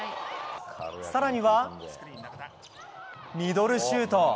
更にはミドルシュート。